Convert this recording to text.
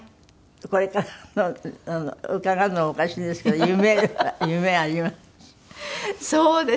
これからの伺うのもおかしいんですけど夢は夢あります？